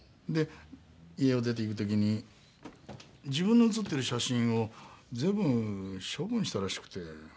で家を出ていく時に自分の写ってる写真を随分処分したらしくて。